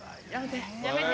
やめて！